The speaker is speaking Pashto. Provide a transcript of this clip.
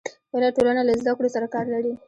بله ټولنه له زده کړو سره کار لري.